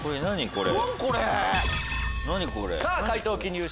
これ。